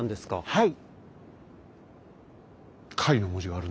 はい。